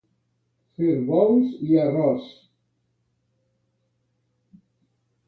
Fer bous i arròs.